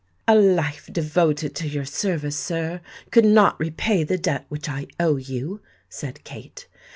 "A life devoted to your service, sir, could not repay the debt which I owe you," said Kate.